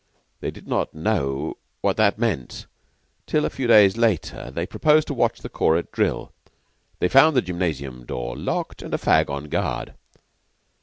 They did not know what that meant till, a few days later, they proposed to watch the corps at drill. They found the gymnasium door locked and a fag on guard.